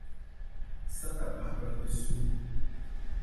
Santa Bárbara do Sul